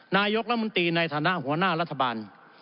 นายกรัฐมนตรีในฐานะหัวหน้ารัฐบาล